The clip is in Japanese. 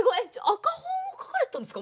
赤本を描かれてたんですか？